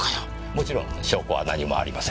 もちろん証拠は何もありません。